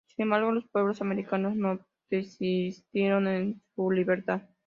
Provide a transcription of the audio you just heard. Sin embargo los pueblos americanos no desistieron de su libertad.